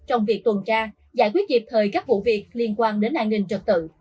trong việc tuần tra giải quyết kịp thời các vụ việc liên quan đến an ninh trật tự